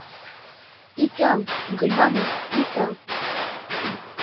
Икәү, Гөлбаныу, икәү!